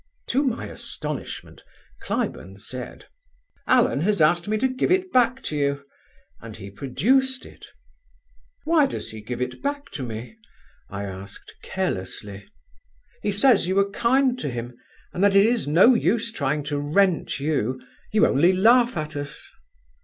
"To my astonishment Cliburn said: "'Allen has asked me to give it back to you,' and he produced it. "'Why does he give it back to me?' I asked carelessly. "'He says you were kind to him and that it is no use trying to "rent" you; you only laugh at us.'